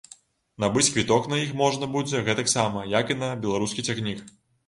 Набыць квіток на іх можна будзе гэтаксама, як і на беларускі цягнік.